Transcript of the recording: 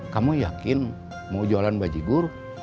kamu yakin mau jualan baji guru